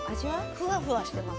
ふわふわしてます。